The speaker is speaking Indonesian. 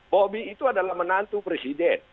bobi itu adalah menantu presiden